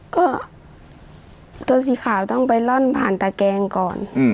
ก็ตัวสีขาวต้องไปร่อนผ่านตะแกงก่อน